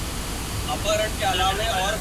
مېنه خالي سي له انسانانو !.